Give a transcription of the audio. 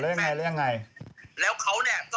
แล้วเค้าเนี่ยก็